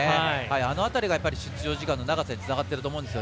あの辺りが出場時間の長さにつながっていると思います。